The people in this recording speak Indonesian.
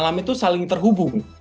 alam itu saling terhubung